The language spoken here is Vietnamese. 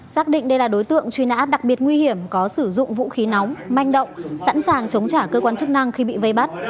xác định đây là đối tượng truy nã đặc biệt nguy hiểm có sử dụng vũ khí nóng manh động sẵn sàng chống trả cơ quan chức năng khi bị vây bắt